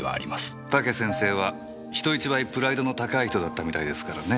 武先生は人一倍プライドの高い人だったみたいですからね。